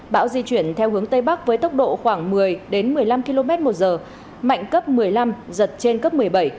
bão di chuyển theo hướng tây bắc với tốc độ khoảng một mươi một mươi năm km một giờ mạnh cấp một mươi năm giật trên cấp một mươi bảy